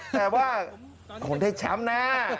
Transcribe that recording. แต่ว่าคงได้แชมป์นะ